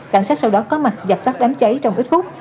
cảnh sát sau đó có mặt dập tắt đám cháy trong ít phút